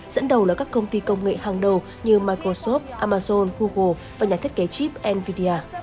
dẫn đầu là các công ty công nghệ hàng đầu như microsoft amazon google và nhà thiết kế chip nvidia